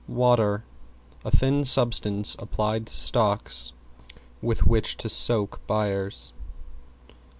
=WATER= A thin substance applied to stocks with which to soak buyers.